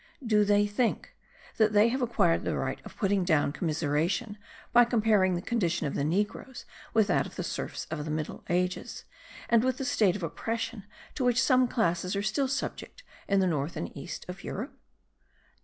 Do they think that they have acquired the right of putting down commiseration, by comparing* the condition of the negroes with that of the serfs of the middle ages, and with the state of oppression to which some classes are still subjected in the north and east of Europe?